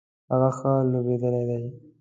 هغه ښه لوبیدلی دی